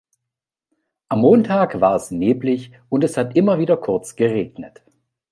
Am Montag war es neblig und es hat immer wieder kurz geregnet.